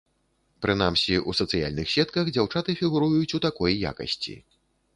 Прынамсі, у сацыяльных сетках дзяўчаты фігуруюць у такой якасці.